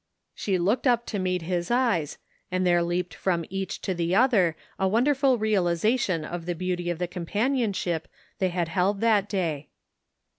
She looked up to meet his eyes and there leaped from each to the other a wonderful realization of the beauty of the companionship they had held that day.